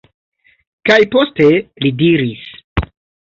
Kaj poste li diris: